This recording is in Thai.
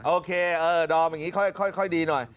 โอเคดอมอย่างนี้ค่อยดีหน่อย